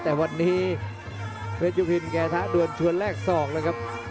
แต่วันนี้เพชรจุพินแกท้าด่วนชวนแรกศอกแล้วครับ